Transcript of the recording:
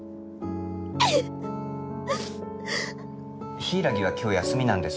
柊は今日休みなんです。